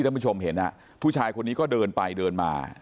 ท่านผู้ชมเห็นผู้ชายคนนี้ก็เดินไปเดินมา